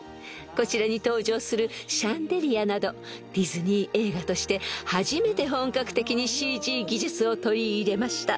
［こちらに登場するシャンデリアなどディズニー映画として初めて本格的にＣＧ技術を取り入れました］